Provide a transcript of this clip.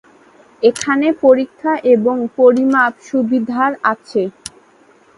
এখানে পরীক্ষা এবং পরিমাপ সুবিধার আছে।